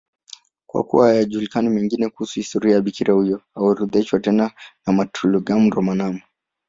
Kwa kuwa hayajulikani mengine kuhusu historia ya bikira huyo, haorodheshwi tena na Martyrologium Romanum.